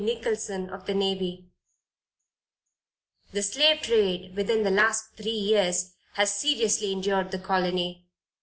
Nicholson of the Navy: "The slave trade, within the last three years, has seriously injured the colony.